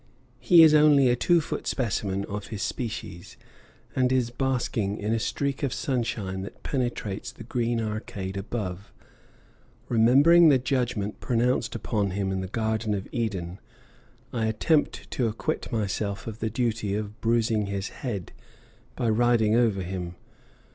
He is only a two foot specimen of his species, and is basking in a streak of sunshine that penetrates the green arcade above. Remembering the judgment pronounced upon him in the Garden of Eden, I attempt to acquit myself of the duty of bruising his head, by riding over him.